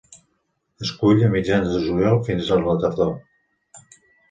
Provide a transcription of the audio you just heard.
Es cull a mitjan juliol fins a la tardor.